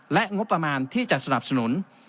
และงบประมาณที่จะสนับสนุน